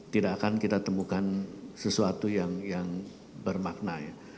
tidak akan kita temukan sesuatu yang bermakna ya